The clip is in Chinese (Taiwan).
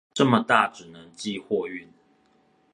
這麼大只能寄貨運